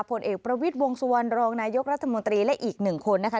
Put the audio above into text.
ผลเอกประวิทย์วงสุวรรณรองนายกรัฐมนตรีและอีกหนึ่งคนนะคะ